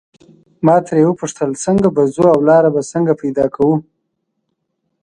ما ترې وپوښتل څنګه به ځو او لاره به څنګه پیدا کوو.